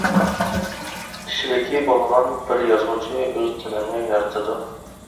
كىشىلىكى بولغان بىر يازغۇچى ئۆز تىلىنى يارىتىدۇ.